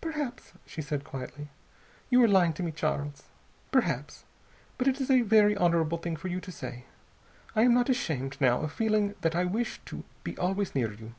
"Perhaps," she said quietly, "you are lying to me, Charles. Perhaps. But it is a very honorable thing for you to say. I am not ashamed, now, of feeling that I wish to be always near you."